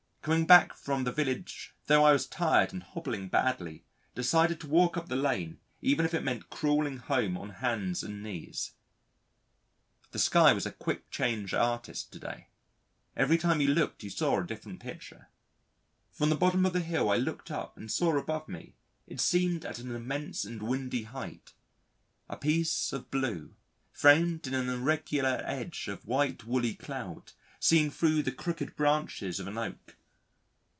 Coming back from the village, tho' I was tired and hobbling badly, decided to walk up the lane even if it meant crawling home on hands and knees. The sky was a quick change artist to day. Every time you looked you saw a different picture. From the bottom of the hill I looked up and saw above me it seemed at an immense and windy height a piece of blue, framed in an irregular edge of white woolly cloud seen thro' the crooked branches of an Oak.